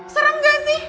serem gak sih